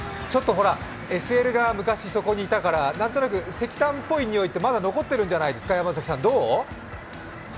ＳＬが昔、そこにいたから何となく石炭っぽい匂いってまだ残っているんじゃないですか？